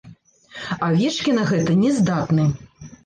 Авечкі на гэта не здатны.